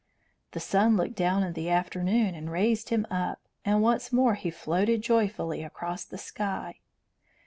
The sun looked down in the afternoon and raised him up, and once more he floated joyfully across the sky.